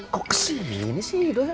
kok kesini sih idoi